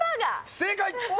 正解！